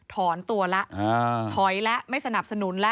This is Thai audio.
ถอนตัวแล้วถอยแล้วไม่สนับสนุนแล้ว